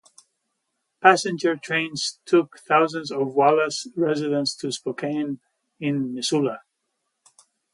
Passenger trains took thousands of Wallace residents to Spokane and Missoula.